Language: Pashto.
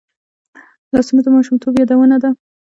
لاسونه د ماشومتوب یادونه ده